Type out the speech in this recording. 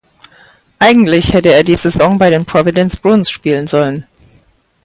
Eigentlich hätte er die Saison bei den Providence Bruins spielen sollen.